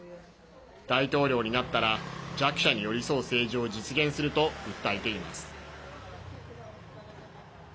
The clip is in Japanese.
大統領になったら弱者に寄り添う政治を実現すると訴えています。